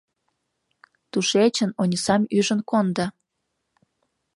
Тушечын Онисам ӱжын кондо.